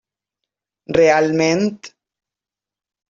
Realment.